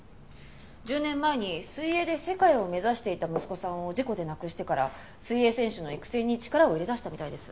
１０年前に水泳で世界を目指していた息子さんを事故で亡くしてから水泳選手の育成に力を入れ出したみたいです。